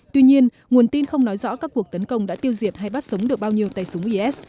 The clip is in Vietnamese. tuy nhiên nguồn tin không nói rõ các cuộc tấn công đã tiêu diệt hay bắt sống được bao nhiêu tay súng is